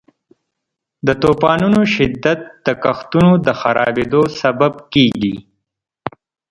د طوفانونو شدت د کښتونو د خرابیدو سبب کیږي.